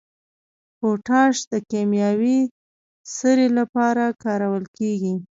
پوټاش د کیمیاوي سرې لپاره کارول کیږي.